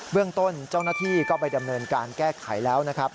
เรื่องต้นเจ้าหน้าที่ก็ไปดำเนินการแก้ไขแล้วนะครับ